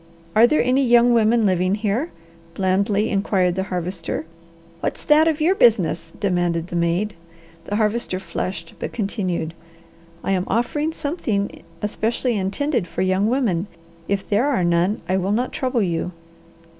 "Are there any young women living here?" blandly inquired the Harvester. "What's that of your business?" demanded the maid. The Harvester flushed, but continued, "I am offering something especially intended for young women. If there are none, I will not trouble you."